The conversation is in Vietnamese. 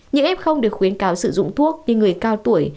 những ép không được khuyến cáo sử dụng thuốc như người cao tuổi